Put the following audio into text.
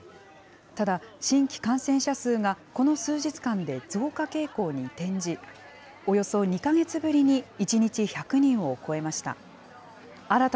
ただ、新規感染者数がこの数日間で増加傾向に転じ、およそ２か月ぶりに１日１００人を超えました。